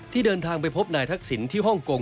เดินทางไปพบนายทักษิณที่ฮ่องกง